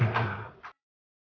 ini gak enak lah